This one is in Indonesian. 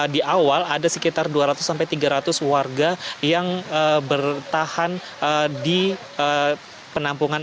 di awal ada sekitar dua ratus sampai tiga ratus warga yang bertahan di penampungan